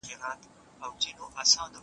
څنګه د کور ښکلا زموږ پر ذهن مثبت اغېز کوي؟